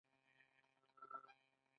که څوک له اصولو غاړه غړوي نو جزا یې پکار ده.